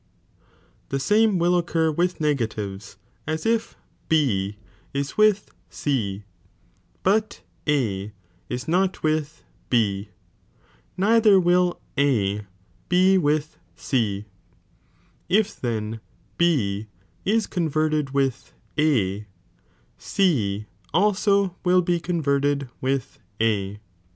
The same will occur t ThD minor. ^^ negatives, as if B is with C,' but A ia not with B,' neither will A be with C, if then B ia converted with A, C also will be converted with A.